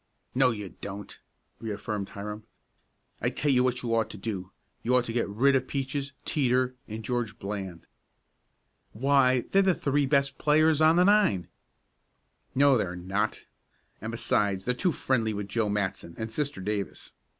"No, you don't!" reaffirmed Hiram. "I tell you what you ought to do. You ought to get rid of Peaches, Teeter and George Bland." "Why, they're three of the best players on the nine." "No, they're not, and besides they're too friendly with Joe Matson and Sister Davis.